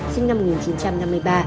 sinh năm một nghìn chín trăm năm mươi ba